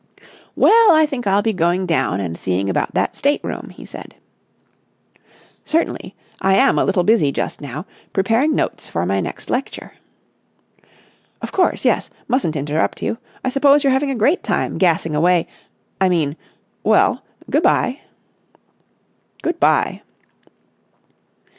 "Well, I think I'll be going down and seeing about that state room," he said. "Certainly. I am a little busy just now, preparing notes for my next lecture." "Of course, yes. Mustn't interrupt you. I suppose you're having a great time, gassing away—I mean—well, good bye!" "Good bye!"